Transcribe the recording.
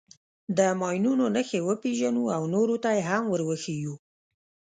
د ماینونو نښې وپېژنو او نورو ته یې هم ور وښیو.